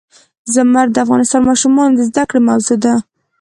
زمرد د افغان ماشومانو د زده کړې موضوع ده.